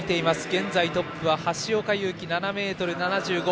現在、トップは橋岡優輝の７ｍ７５。